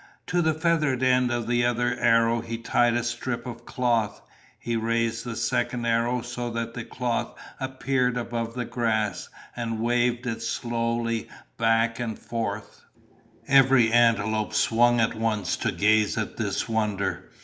To the feathered end of the other arrow he tied a strip of cloth. He raised this second arrow so that the cloth appeared above the grass, and waved it slowly back and forth. Every antelope swung at once to gaze at this wonder.